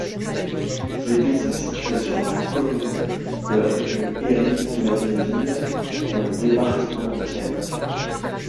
L'église est située sur la commune de Le Hérie-la-Viéville, dans le département de l'Aisne.